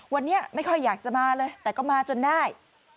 วันนี้ไม่ค่อยอยากจะมาเลยแต่ก็มาจนได้